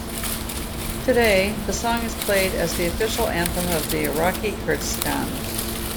Today the song is played as the official anthem of Iraqi Kurdistan.